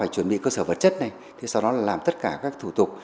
chuẩn bị cơ sở vật chất này sau đó làm tất cả các thủ tục